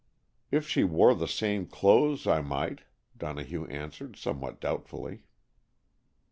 "If she wore the same clothes, I might," Donohue answered somewhat doubtfully.